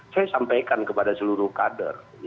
saya sampaikan kepada seluruh kader